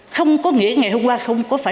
không có nghĩa ngày hôm qua không có phải